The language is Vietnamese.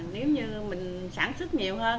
nếu như mình sản xuất nhiều hơn